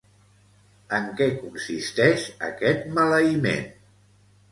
En què consisteix aquest maleïment?